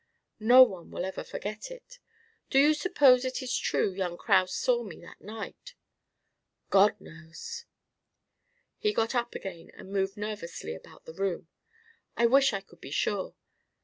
No one will ever forget it. Do you suppose it is true young Kraus saw me that night?" "God knows!" He got up again and moved nervously about the room. "I wish I could be sure.